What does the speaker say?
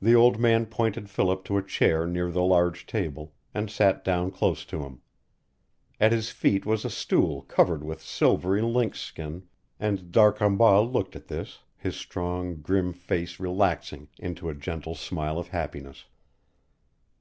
The old man pointed Philip to a chair near the large table, and sat down close to him. At his feet was a stool covered with silvery lynx skin, and D'Arcambal looked at this, his strong, grim face relaxing into a gentle smile of happiness.